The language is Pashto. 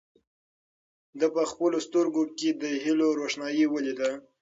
ده په خپلو سترګو کې د هیلو روښنايي ولیده.